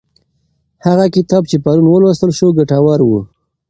هغه کتاب چې پرون ولوستل شو ګټور و.